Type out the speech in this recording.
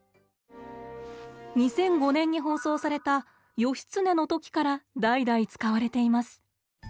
２００５年に放送された「義経」の時から代々使われています。